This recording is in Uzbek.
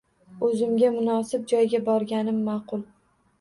– O‘zimga munosib joyga borganim ma’qul